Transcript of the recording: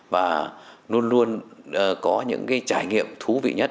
và luôn luôn có những cái trải nghiệm thú vị nhất